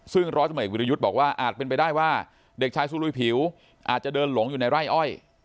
ซึ่งร้อยตำรวจวิรยุทธ์บอกว่าอาจเป็นไปได้ว่าเด็กชายซูลุยผิวอาจจะเดินหลงอยู่ในไร่อ้อย